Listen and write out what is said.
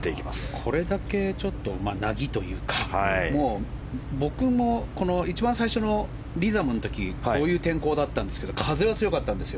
これだけ凪というか僕も一番最初の時にこういう天候だったんですが風は強かったんです。